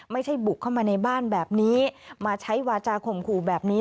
ไม่ใช่บุกเข้ามาในบ้านแบบนี้มาใช้วาจาข่มขู่แบบนี้